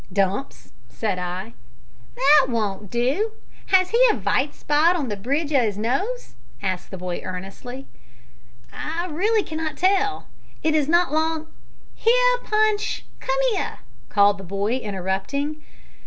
"Dumps," said I. "That won't do. Has he a vite spot on the bridge of 'is nose?" asked the boy earnestly. "I really cannot tell. It is not long " "Here, Punch, come here!" called the boy, interrupting.